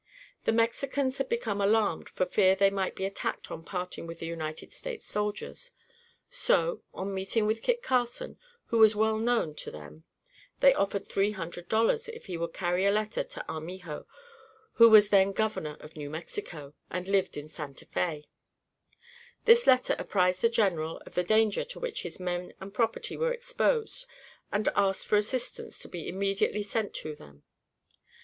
The Mexicans had become alarmed for fear they might be attacked on parting with the United States soldiers; so, on meeting with Kit Carson, who was well known to them, they offered three hundred dollars if he would carry a letter to Armijo who was then Governor of New Mexico, and lived at Santa Fé. This letter apprised the General of the danger to which his men and property were exposed and asked for assistance to be immediately sent to them.